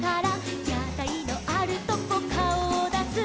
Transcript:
「やたいのあるとこかおをだす」